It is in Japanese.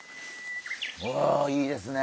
おいいですね。